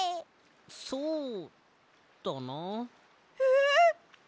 そうだな。え！？